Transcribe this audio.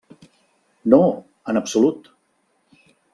No, en absolut.